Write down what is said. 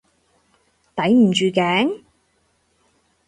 抵唔住頸？